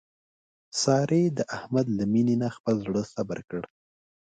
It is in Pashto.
سارې د احمد له مینې نه خپل زړه صبر کړ.